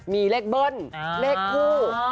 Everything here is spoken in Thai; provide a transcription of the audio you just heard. มีเลขเบิ้ลเลขคู่